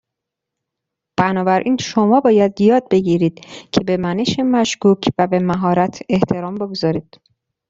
بنابراین شما باید یاد بگیرید که به منش مشکوک و به مهارت احترام بگذارید.